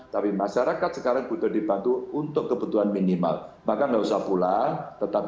tapi masyarakat sekarang butuh dibantu untuk kebutuhan minimal maka nggak usah pulang tetap